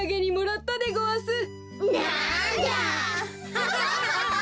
アハハハハ！